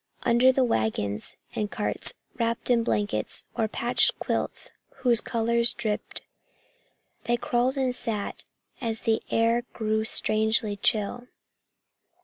Under the wagons and carts, wrapped in blankets or patched quilts whose colors dripped, they crawled and sat as the air grew strangely chill.